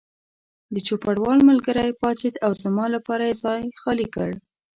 د چوپړوال ملګری پاڅېد او زما لپاره یې ځای خالي کړ.